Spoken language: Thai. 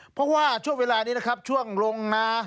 เพราะว่าช่วงเวลานี้นะครับช่วงลงนา